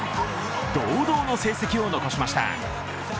堂々の成績を残しました。